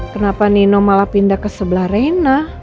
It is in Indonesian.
kenapa nino malah pindah ke sebelah reina